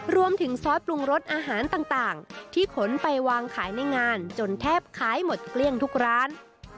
ซอสปรุงรสอาหารต่างที่ขนไปวางขายในงานจนแทบขายหมดเกลี้ยงทุกร้าน